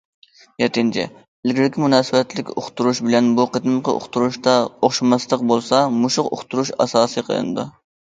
يەتتىنچى، ئىلگىرىكى مۇناسىۋەتلىك ئۇقتۇرۇش بىلەن بۇ قېتىمقى ئۇقتۇرۇشتا ئوخشىماسلىق بولسا، مۇشۇ ئۇقتۇرۇش ئاساس قىلىنىدۇ.